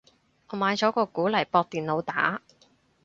我買咗個鼓嚟駁電腦打